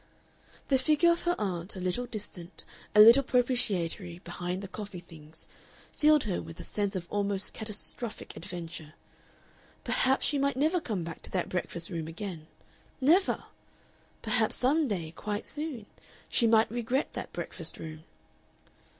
The figure of her aunt, a little distant, a little propitiatory, behind the coffee things, filled her with a sense of almost catastrophic adventure. Perhaps she might never come back to that breakfast room again. Never! Perhaps some day, quite soon, she might regret that breakfast room.